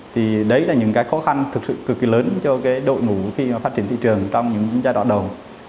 thì đấy là những cái khó khăn thực sự cực kỳ lớn cho cái đội ngũ khi phát triển thị trường trong những giai đoạn đầu